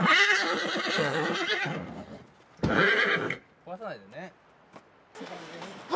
壊さないでね。